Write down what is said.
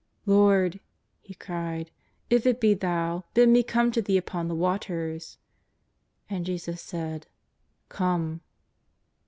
" Lord," he cried, '' if it l)e Thou, bid me come to Thee upon the waters." And Jesus said :'' Come